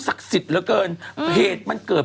สิทธิ์เหลือเกินเหตุมันเกิด